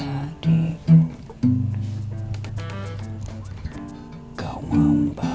eh jean niantap